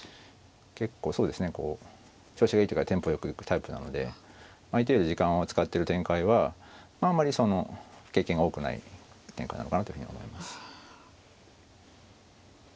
結構そうですねこう調子がいい時はテンポよく行くタイプなので相手より時間を使ってる展開はあまり経験が多くない展開なのかなというふうに思います。